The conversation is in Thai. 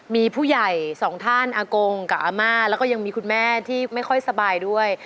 มีผู้ใหญ่สองท่านอากงกับอาม่าแล้วก็ยังมีคุณแม่ที่ไม่ค่อยสบายด้วย